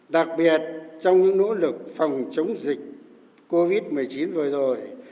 đặc biệt trong những nỗ lực phòng chống dịch covid một mươi chín vừa rồi